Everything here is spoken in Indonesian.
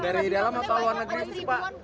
dari dalam atau luar negeri